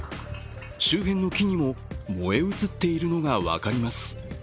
周辺の木にも燃え移っているのが分かります。